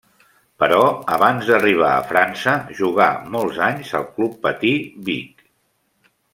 Però abans d'arribar a França, jugà molts anys al Club Patí Vic.